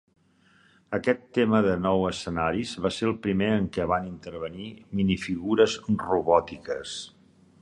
Aquest tema de nou escenaris va ser el primer en què van intervenir minifigures robòtiques.